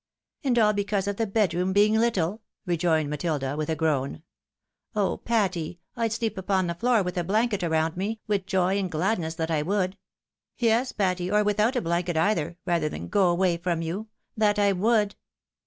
" And all because of the bedroom being Uttle t " rejoined Matilda, with a groan. " Oh ! Patty ! I'd sleep upon the floor with a blanket round me, with joy and gladness, that I would !— Yes, Patty, or without a blaniet either, rather than go away from you — ^that I would